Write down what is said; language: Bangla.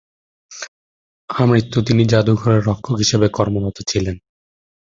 আমৃত্যু তিনি জাদুঘরের রক্ষক হিসেবে কর্মরত থাকেন।